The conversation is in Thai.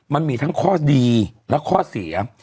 มันมีทั้งข้อดีและข้อเสีย